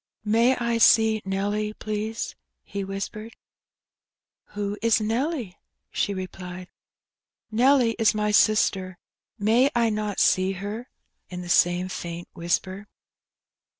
May I see Nelly, please?" he whispered. Who is Nelly?" she replied. Nelly is my sister; may I not see her?" in the same faint whisper.